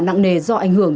nặng nề do ảnh hưởng